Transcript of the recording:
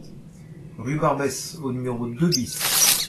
Rue Barbès au numéro deux BIS